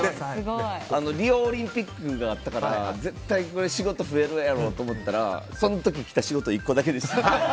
リオオリンピックがあったから絶対仕事増えるやろと思ったらその時きた仕事１個だけでした。